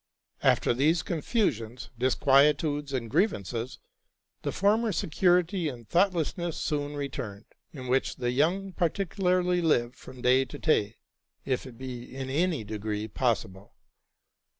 After these confusions, disquietudes, and grievances, the former security and thoughtlessness soon returned, in which the young particularly live from day to day, if it be in any degree possible.